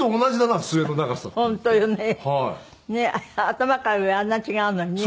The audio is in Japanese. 頭から上あんな違うのにね。